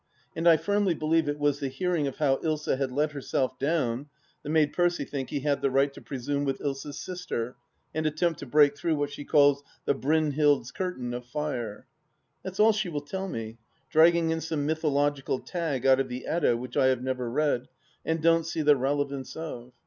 And I firmly believe it was the hearing of how Ilsa had let herself down that made Percy think he had the right to presume with Ilsa's sister, and attempt to break through what she calls " The BrynhUd's curtain of fire." That's all she will tell me, dragging in some mythological tag out of the Edda, which I have never read, and don't see the relevance of.